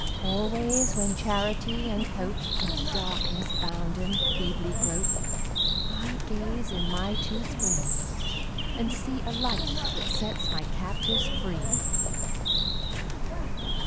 Always when Charity and Hope, In darkness bounden, feebly grope, I gaze in my two springs and see A Light that sets my captives free.